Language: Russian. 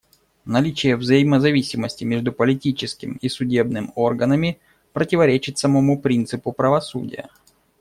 Наличие взаимозависимости между политическим и судебным органами противоречит самому принципу правосудия.